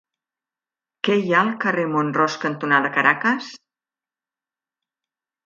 Què hi ha al carrer Mont-ros cantonada Caracas?